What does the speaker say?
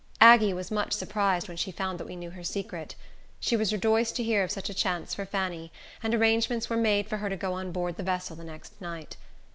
Aggie was much surprised when she found that we knew her secret. She was rejoiced to hear of such a chance for Fanny, and arrangements were made for her to go on board the vessel the next night.